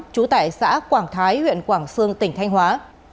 trú tại xã quảng thái huyện quảng sương tỉnh thanh hóa